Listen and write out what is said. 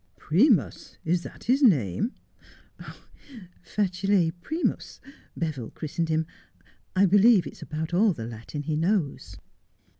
' Primus ! Is that his name 1 '' Facile Primus. Beville christened him. I believe it's about all the Latin he knows.'